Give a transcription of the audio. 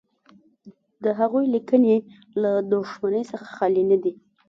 د هغوی لیکنې له دښمنۍ څخه خالي نه دي.